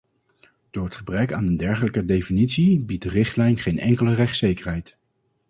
Door het gebrek aan een dergelijke definitie biedt de richtlijn geen enkele rechtszekerheid.